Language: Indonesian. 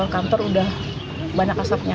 kantor sudah banyak asapnya